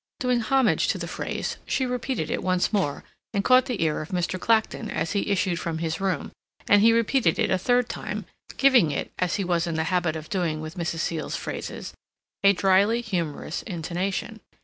Doing homage to the phrase, she repeated it once more, and caught the ear of Mr. Clacton, as he issued from his room; and he repeated it a third time, giving it, as he was in the habit of doing with Mrs. Seal's phrases, a dryly humorous intonation.